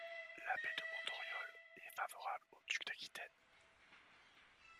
L'abbé de Montauriol est favorable au duc d'Aquitaine.